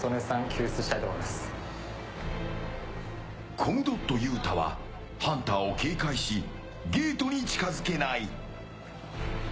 コムドットゆうたはハンターを警戒しゲートに近づけない。